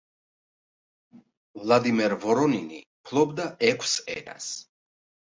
ვლადიმერ ვორონინი ფლობდა ექვს ენას.